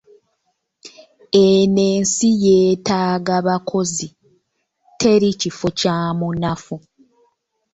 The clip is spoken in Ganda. Eno ensi yeetaaga bakozi, teri kifo kya munafu.